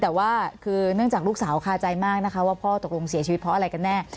แต่ว่าคือเนื่องจากลูกสาวคาใจมากนะคะว่าพ่อตกลงเสียชีวิตเพราะอะไรกันแน่